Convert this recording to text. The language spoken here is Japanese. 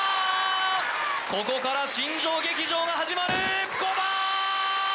ここから新庄劇場が始まる５番！